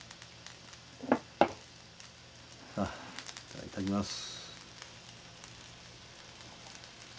あいただきます。